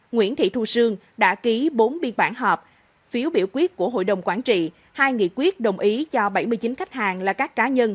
nguyễn thị thu sương đã ký bốn biên bản họp phiếu biểu quyết của hội đồng quản trị hai nghị quyết đồng ý cho bảy mươi chín khách hàng là các cá nhân